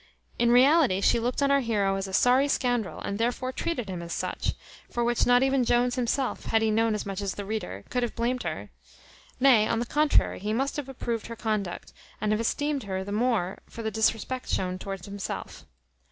In reality, she looked on our heroe as a sorry scoundrel, and therefore treated him as such, for which not even Jones himself, had he known as much as the reader, could have blamed her; nay, on the contrary, he must have approved her conduct, and have esteemed her the more for the disrespect shown towards himself.